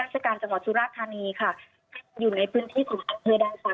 ราชการจังหวัดสุราธานีค่ะอยู่ในพื้นที่ของอำเภอใดค่ะ